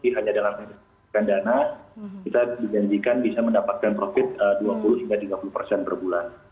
hanya dalam kita dijanjikan bisa mendapatkan profit dua puluh hingga tiga puluh persen per bulan